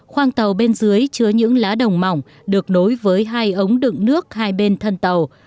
khoang tàu bên dưới chứa những lá đồng mỏng được nối với hai ống đựng nước hai bên thân tàu